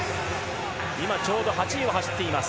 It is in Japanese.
今ちょうど８位を走っています。